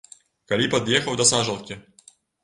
Калі пад'ехаў да сажалкі.